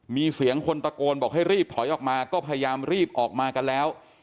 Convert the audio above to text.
มีเสียงคนตะโกนบอกให้รีบถอยออกมาก็พยายามรีบออกมากันแล้ว